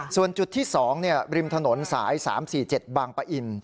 ส่วนจุดที่๒ริมถนนสาย๓๔๗บางปะอิน